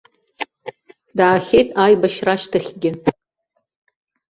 Даахьеит аибашьра ашьҭахьгьы.